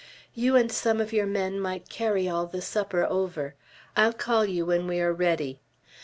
You and some of your men might carry all the supper over. I'll call you when we are ready."